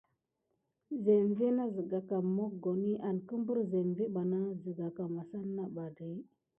Zeŋvé iki na siga pak mokoni angəprire zeŋvé bana ki siga va asina basa bar.